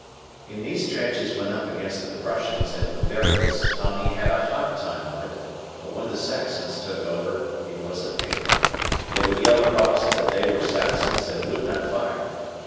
In these trenches when up against the Prussians and Bavarians, Tommy had a hot time of it, but when the Saxons "took over" it was a picnic, they would yell across that they were Saxons and would not fire.